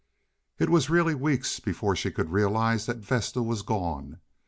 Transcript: It was really weeks before she could realize that Vesta was gone.